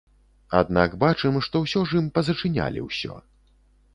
Аднак бачым, што ўсё ж ім пазачынялі ўсё.